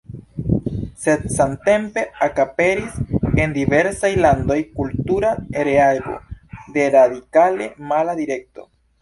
Sed samtempe ekaperis en diversaj landoj kultura reago de radikale mala direkto.